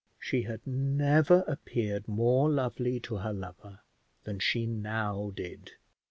She had never appeared more lovely to her lover than she now did.